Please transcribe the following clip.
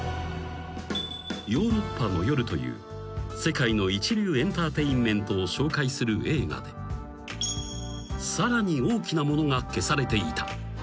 ［『ヨーロッパの夜』という世界の一流エンターテインメントを紹介する映画でさらに大きなものが消されていた］